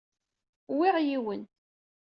Uwyeɣ yiwen.